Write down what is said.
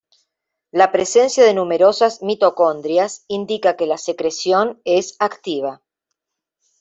La presencia de numerosas mitocondrias indica que la secreción es activa.